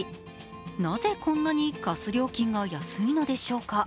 なぜ、こんなにガス料金が安いのでしょうか。